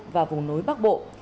và vùng núi bắc bộ